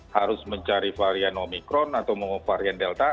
harus mencari varian omikron atau mau varian delta